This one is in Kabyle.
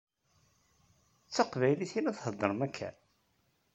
D taqbaylit i la theddṛem akka?